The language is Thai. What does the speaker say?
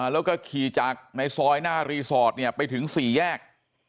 แล้วก็ขี่จากในซอยหน้ารีสอร์ทไปถึง๔แยก